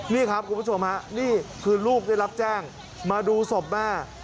นี่ครับคุณผู้ชมฮะนี่คือลูกได้รับแจ้งมาดูศพแม่